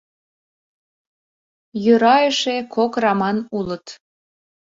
Йӧра эше, кок раман улыт.